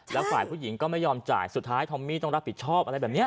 แล้วฝ่ายผู้หญิงถึงก็ไม่ยอมจ่ายสุดท้ายโทมมี่ต้องรับผิดชอบว่างั้น